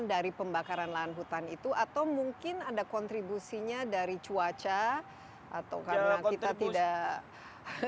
dari pembakaran lahan hutan itu atau mungkin ada kontribusinya dari cuaca atau karena kita tidak